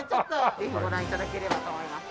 ぜひご覧頂ければと思います。